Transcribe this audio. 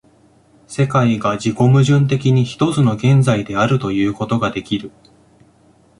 世界が自己矛盾的に一つの現在であるということができる。